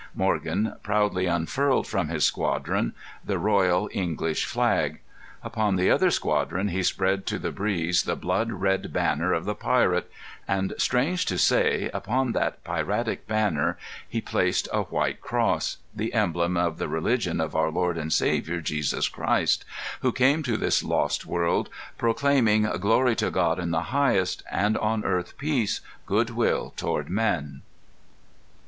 Morgan proudly unfurled from his squadron the royal English flag. Upon the other squadron he spread to the breeze the blood red banner of the pirate; and, strange to say, upon that piratic banner he placed a white cross, the emblem of the religion of our Lord and Saviour Jesus Christ, who came to this lost world proclaiming "Glory to God in the highest, and on earth peace, good will toward men."